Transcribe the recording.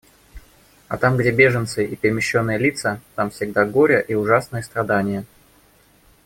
А там, где беженцы и перемещенные лица, там всегда горе и ужасные страдания.